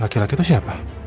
laki laki itu siapa